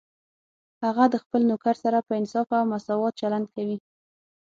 هغه د خپل نوکر سره په انصاف او مساوات چلند کوي